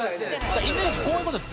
イメージこういう事です。